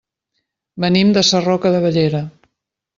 Venim de Sarroca de Bellera.